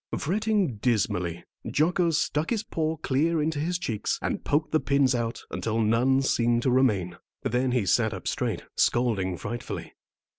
Fretting dismally, Jocko stuck his paw clear into his cheeks, and poked the pins out until none seemed to remain. Then he sat up quite straight, scolding frightfully.